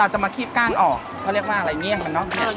เอามาคีบกล้างออกเขาเรียกว่าอะไรเงี้ยงมันน็อบเงี้ย